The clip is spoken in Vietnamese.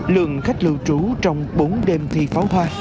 lượng khách lưu trú trong bốn đêm thi pháo hoa